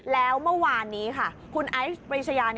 แล้วเมื่อวานนี้ค่ะคุณไอซ์ปรีชยา